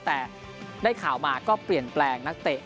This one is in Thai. แต่ได้ข่าวมาก็เปลี่ยนแปลงนักเตะ